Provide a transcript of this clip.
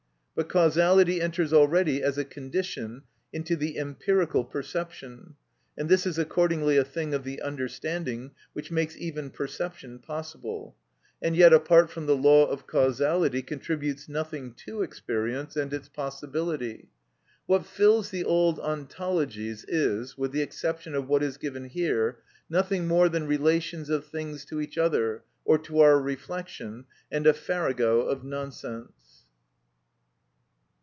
But causality enters already as a condition into the empirical perception, and this is accordingly a thing of the understanding, which makes even perception possible, and yet apart from the law of causality contributes nothing to experience and its possibility. What fills the old ontologies is, with the exception of what is given here, nothing more than relations of things to each other, or to our reflection, and a farrago of nonsense.